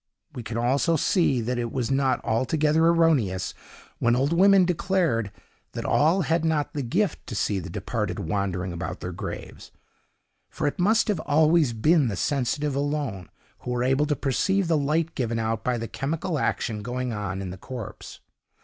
We can also see that it was not altogether erroneous, when old women declared that all had not the gift to see the departed wandering about their graves; for it must have always been the sensitive alone who were able to perceive the light given out by the chemical action going on in the corpse.